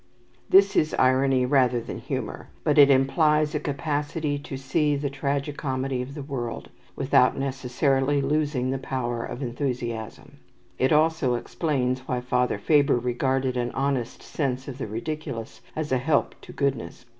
This is irony rather than humour, but it implies a capacity to see the tragi comedy of the world, without necessarily losing the power of enthusiasm. It also explains why Father Faber regarded an honest sense of the ridiculous as a help to goodness.